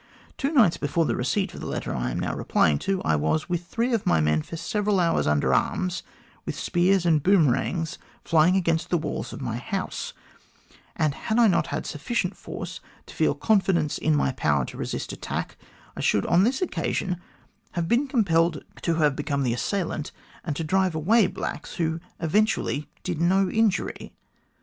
Two nights before the receipt of the letter I am now replying to, I was, with three of my men, for several hours under arms, with spears and boomerangs flying against the walls of my house, and had I not had sufficient force to feel confidence in my power to resist attack, I should on this occasion have been compelled to have become the assailant and to drive away blacks, who eventually did no injury.